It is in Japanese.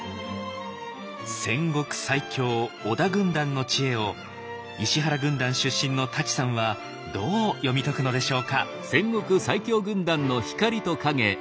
戦国最強織田軍団の知恵を石原軍団出身の舘さんはどう読み解くのでしょうか。